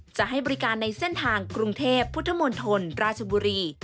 จะให้บริการในเส้นทางกรุงเทพพุทธมณฑลราชบุรี